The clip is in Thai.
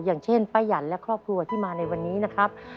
อย่างเช่นป้ายันและครอบครัวที่มาในวันนี้นะครับ